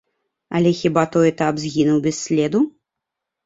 Але хіба той этап згінуў без следу?